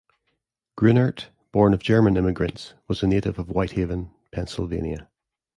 Grunert, born of German immigrants, was a native of White Haven, Pennsylvania.